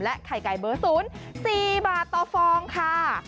ไข่ไก่เบอร์๐๔บาทต่อฟองค่ะ